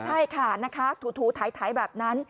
ใช่ค่ะนะคะถูไถแบบนั้น